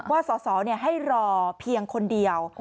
สอสอให้รอเพียงคนเดียว